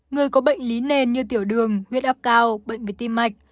người có bệnh lý nền như tiểu đường huyết áp cao bệnh về tim mạch